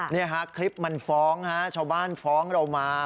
นี่ฮะคลิปมันฟ้องฮะชาวบ้านฟ้องเรามา